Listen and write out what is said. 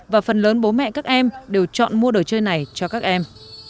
và phần lớn bố mẹ các em đều chọn mua đồ chơi này cho các em